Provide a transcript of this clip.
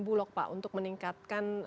bulog pak untuk meningkatkan